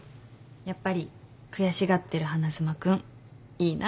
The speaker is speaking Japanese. やっぱり悔しがってる花妻君いいなって。